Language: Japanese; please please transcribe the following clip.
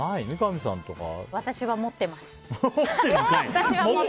私は持っています。